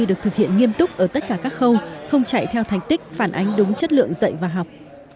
được thực hiện nghiêm túc ở tất cả các khâu không chạy theo thành tích phản ánh đúng chất lượng dạy và học